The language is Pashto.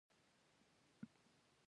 وړاندې کول په هراړخیزه توګه ترسره شوي دي.